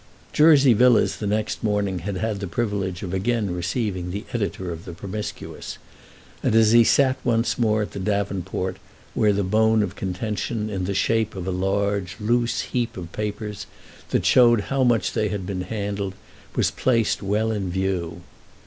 Jersey Villas the next morning had had the privilege of again receiving the editor of the Promiscuous, and he sat once more at the davenport, where the bone of contention, in the shape of a large, loose heap of papers that showed how much they had been handled, was placed well in view.